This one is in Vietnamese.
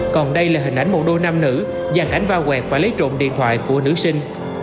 còn đây là hình ảnh một đôi nam nữ dàn ảnh vao quẹt và lấy trộm điện thoại của nữ sinh